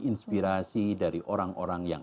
inspirasi dari orang orang yang